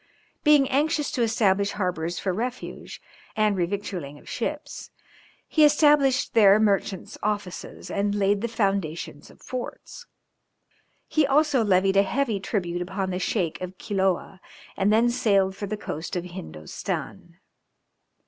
Being anxious to establish harbours for refuge, and revictualling of ships, he established there merchants' offices, and laid the foundations of forts. He also levied a heavy tribute upon the Sheik of Quiloa, and then sailed for the coast of Hindostan.